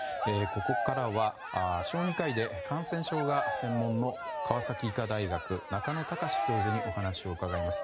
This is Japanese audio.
ここからは、小児科医で感染症が専門の川崎医科大学中野貴司教授にお話を伺います。